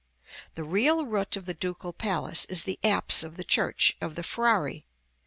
The real root of the Ducal Palace is the apse of the church of the Frari.